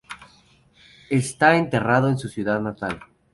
Esta enterrado en su ciudad natal.